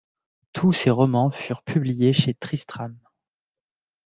Tous ses romans furent publiés chez Tristram.